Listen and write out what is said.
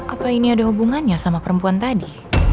apa ini ada hubungannya sama perempuan tadi